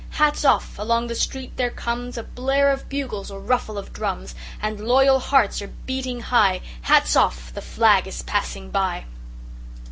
Hats off! Along the street there comesA blare of bugles, a ruffle of drums; And loyal hearts are beating high:Hats off! The flag is passing by!